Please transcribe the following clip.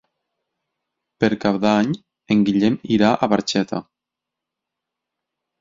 Per Cap d'Any en Guillem irà a Barxeta.